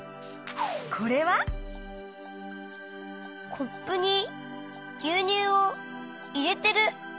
コップにぎゅうにゅうをいれてる。